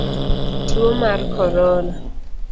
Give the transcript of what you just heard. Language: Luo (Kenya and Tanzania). Tuo mar korona.